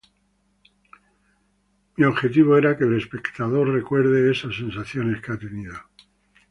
Mi objetivo era que el espectador recuerde esas sensaciones que ha tenido.